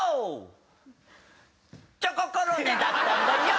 チョココロネだったんだよ！